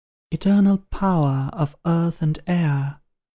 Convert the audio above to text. Eternal Power, of earth and air!